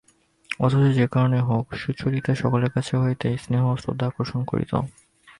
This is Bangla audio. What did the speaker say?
অথচ যে কারণেই হউক সুচরিতা সকলের কাছ হইতেই স্নেহ ও শ্রদ্ধা আকর্ষণ করিত।